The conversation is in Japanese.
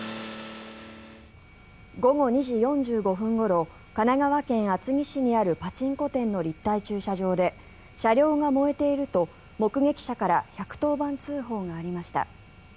午後２時４５分ごろ神奈川県厚木市にあるパチンコ店の立体駐車場で車両が燃えていると目撃者から１１０番通報がありました。